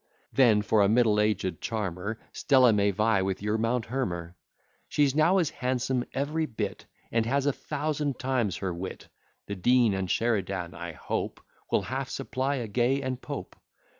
Then for a middle aged charmer, Stella may vie with your Mounthermer; She's now as handsome every bit, And has a thousand times her wit The Dean and Sheridan, I hope, Will half supply a Gay and Pope.